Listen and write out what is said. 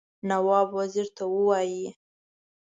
نواب وزیر ته ووايي.